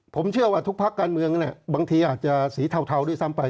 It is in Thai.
ผมเชื่อว่าทุกพักการเมืองบางทีอาจจะสีเทาด้วยซ้ำไป